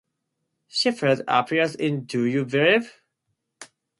Shepherd appeared in Do You Believe?